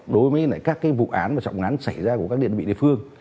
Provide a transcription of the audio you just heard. đối với các vụ án và trọng án xảy ra của các địa vị địa phương